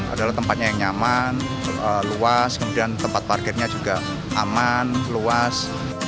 adalah tempatnya yang nyaman luas kemudian tempat parkirnya juga aman luas